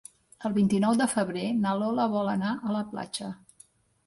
El vint-i-nou de febrer na Lola vol anar a la platja.